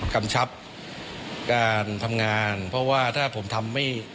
กำชับการทำงานเพราะว่าถ้าผมทำไม่